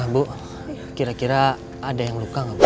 bu kira kira ada yang luka nggak bu